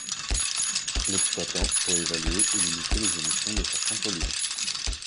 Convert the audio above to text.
L'exploitant doit évaluer et limiter les émissions de certains polluants.